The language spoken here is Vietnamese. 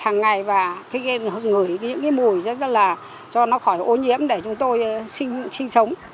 hàng ngày và thích ngửi những cái mùi rất là cho nó khỏi ô nhiễm để chúng tôi sinh sống